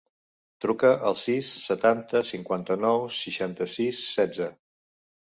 Truca al sis, setanta, cinquanta-nou, seixanta-sis, setze.